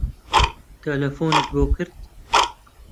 تەلەفۆنت بۆ کرد؟